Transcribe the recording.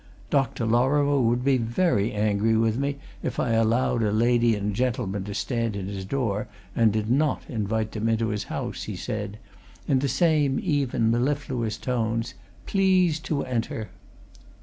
"Dr. Lorrimore would be very angry with me if I allowed a lady and gentleman to stand in his door and did not invite them into his house," he said, in the same even, mellifluous tones. "Please to enter."